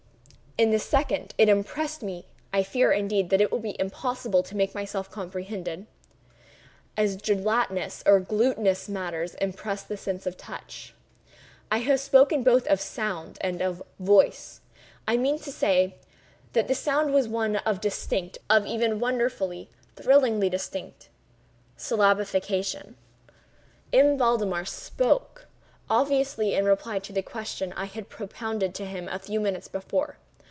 In the second place, it impressed me (I fear, indeed, that it will be impossible to make myself comprehended) as gelatinous or glutinous matters impress the sense of touch. I have spoken both of "sound" and of "voice." I mean to say that the sound was one of distinct—of even wonderfully, thrillingly distinct—syllabification. M. Valdemar spoke—obviously in reply to the question I had propounded to him a few minutes before.